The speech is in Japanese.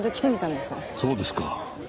そうですか。